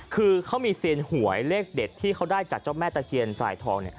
คือเขามีเซียนหวยเลขเด็ดที่เขาได้จากเจ้าแม่ตะเคียนสายทอง